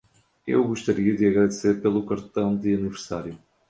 Eu gostaria de agradecer pelo cartão de aniversário.